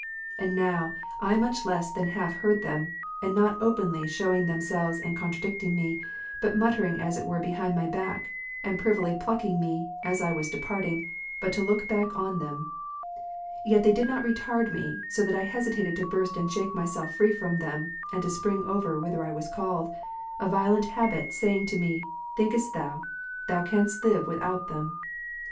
And now I much less than half heard them, and not openly shewing themselves and contradicting me, but muttering as it were behind my back, and privily plucking me, as I was departing, but to look back on them. Yet they did retard me, so that I hesitated to burst and shake myself free from them, and to spring over whither I was called ; a violent habit saying to me, " Thinkest thou, thou canst live without them